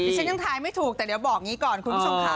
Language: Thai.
ฉันยังทายไม่ถูกแต่เดี๋ยวบอกอย่างนี้ก่อนคุณผู้ชมค่ะ